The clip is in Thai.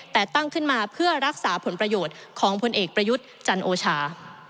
แต่ตั้งขึ้นมาเพื่อรักษาผลประโยชน์ของพลเอกประยุทธ์จันโอชา